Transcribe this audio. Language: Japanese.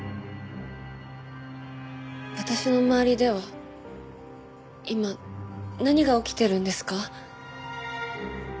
私の周りでは今何が起きているんですか？